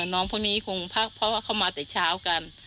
พวกนี้คงพักเพราะว่าเขามาแต่เช้ากัน